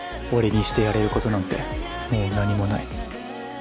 俺にしてやれることなんてもう何もない。